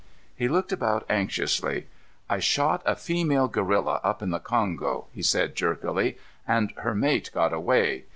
He looked about anxiously. "I shot a female gorilla up in the Kongo," he said jerkily, "and her mate got away.